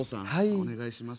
お願いします。